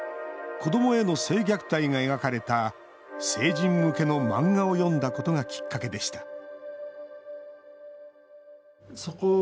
子どもへの性虐待が描かれた成人向けの漫画を読んだことがきっかけでした